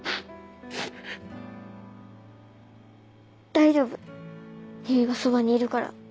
大丈夫唯がそばにいるから。